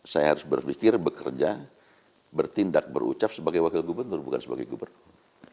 saya harus berpikir bekerja bertindak berucap sebagai wakil gubernur bukan sebagai gubernur